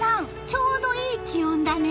ちょうどいい気温だね！